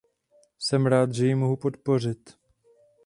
Jsem rád, že ji mohu podpořit.